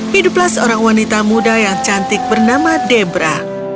hiduplah seorang wanita muda yang cantik bernama debra